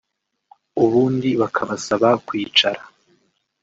ubundi bakabasaba kwicara